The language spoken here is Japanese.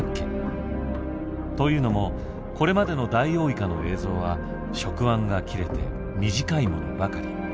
というのもこれまでのダイオウイカの映像は触腕が切れて短いものばかり。